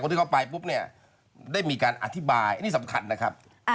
ที่เขาไปปุ๊บเนี่ยได้มีการอธิบายอันนี้สำคัญนะครับ